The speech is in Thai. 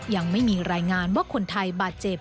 ยังไม่มีรายงานว่าคนไทยบาดเจ็บ